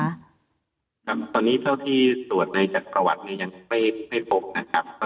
ครับตอนนี้เท่าที่ส่วนในจัดประวัติเนี่ยยังไม่ตกนะครับ